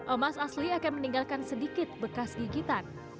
emas asli akan meninggalkan sedikit bekas gigitan